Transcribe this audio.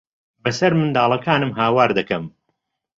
بەسەر منداڵەکانم ھاوار دەکەم.